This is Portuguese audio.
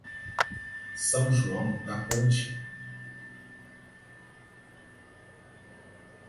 São João da Ponte